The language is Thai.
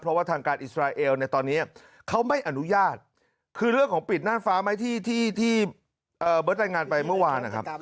เพราะว่าทางการอิสราเอลในตอนนี้เขาไม่อนุญาตคือเรื่องของปิดน่านฟ้าไหมที่เบิร์ตรายงานไปเมื่อวานนะครับ